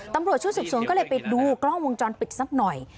ตำรวจชุดสืบสวนก็เลยไปดูกล้องวงจรปิดสักหน่อย